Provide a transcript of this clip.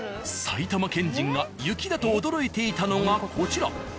埼玉県人が雪だと驚いていたのがこちら。